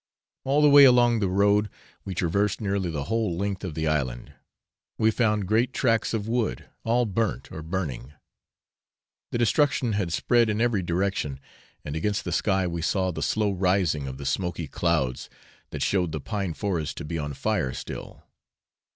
All the way along the road (we traversed nearly the whole length of the island) we found great tracts of wood, all burnt or burning; the destruction had spread in every direction, and against the sky we saw the slow rising of the smoky clouds that showed the pine forest to be on fire still.